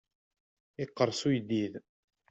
Iqqers uyeddid.